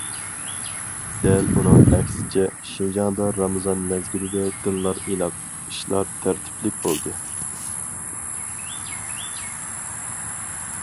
دەل ئۇنىڭ ئەكسىچە، شىنجاڭدا رامىزان مەزگىلىدە دىنلار ئىناق، ئىشلار تەرتىپلىك بولدى.